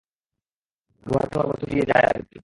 গুহা-টুহার মধ্য দিয়ে যায় আর কি।